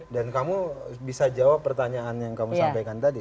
kamu bisa jawab pertanyaan yang kamu sampaikan tadi